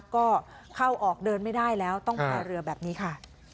ก็เข้าออกเดินไม่ได้แล้วต้องพายเรือแบบนี้ค่ะ